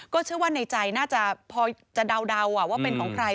เชื่อว่าในใจน่าจะพอจะเดาว่าเป็นของใคร